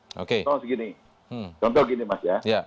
contoh gini mas ya